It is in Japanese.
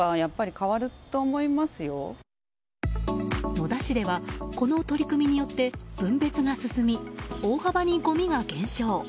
野田市ではこの取り組みによって分別が進み、大幅にごみが減少。